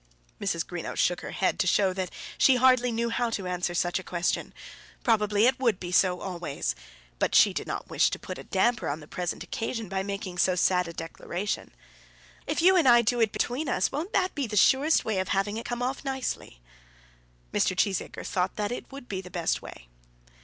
Mrs. Greenow shook her head to show that she hardly knew how to answer such a question. Probably it would be so always; but she did not wish to put a damper on the present occasion by making so sad a declaration. "But as I was saying," continued she "if you and I do it between us won't that be the surest way of having it come off nicely?" Mr. Cheesacre thought that it would be the best way.